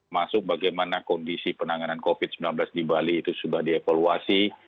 masuk bagaimana kondisi penanganan covid sembilan belas di bali itu sudah dievaluasi